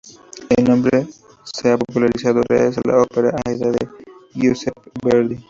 El nombre se popularizó gracias a la ópera Aída de Giuseppe Verdi.